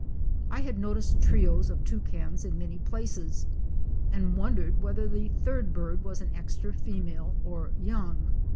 I had noticed trios of Tou cans in many places and wondered whether the third bird was an extra female or young.